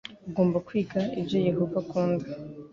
Ugomba kwiga ibyo Yehova akunda